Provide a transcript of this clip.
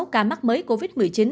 ca mắc mới covid một mươi chín